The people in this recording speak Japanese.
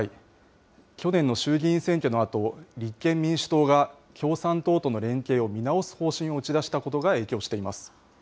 去年の衆議院選挙のあと、立憲民主党が共産党との連携を見直す方針を打ち出したことが影響しています。